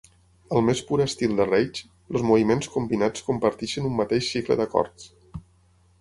Al més pur estil de Reich, els moviments combinats comparteixen un mateix cicle d'acords.